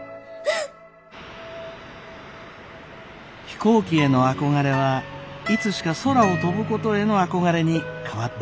飛行機への憧れはいつしか空を飛ぶことへの憧れに変わっていました。